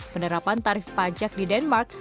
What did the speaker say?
penerapan tarif pajak di denmark